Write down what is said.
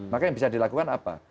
maka yang bisa dilakukan apa